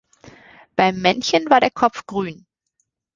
Beim Männchen war der Kopf grün.